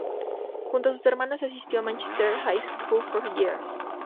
Junto a sus hermanas asistió a Manchester High School for Girls.